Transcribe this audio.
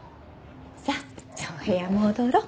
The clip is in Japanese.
さあじゃあお部屋戻ろう。